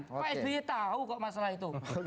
pak sby tahu kok masalah itu